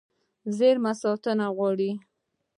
زېرمې ساتنه غواړي.